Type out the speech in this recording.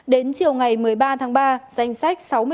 đến chiều ngày một mươi ba tháng ba danh sách sáu mươi bảy